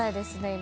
今。